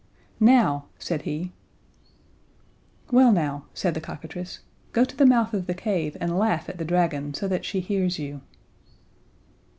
"Now," said he. "Well, now," said the cockatrice. "Go to the mouth of the cave and laugh at the dragon so that she hears you."